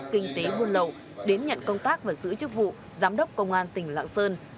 kinh tế buôn lậu đến nhận công tác và giữ chức vụ giám đốc công an tỉnh lạng sơn